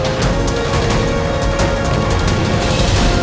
aku orang yang mencintai wisnu